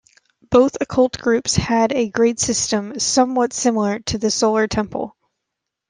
Both occult groups had a grade system somewhat similar to the Solar Temple.